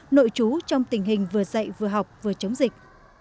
nội trú trong tình hình vừa dạy vừa học vừa chống dịch